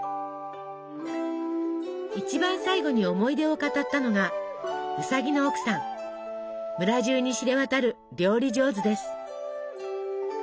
一番最後に思い出を語ったのが村中に知れ渡る料理上手です。